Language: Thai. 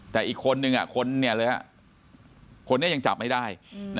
แต่อีกคนนึงคนนี้ยังจับไม่ได้